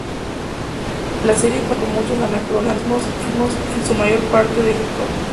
La serie cuenta además con muchos anacronismos, en su mayor parte de hip-hop.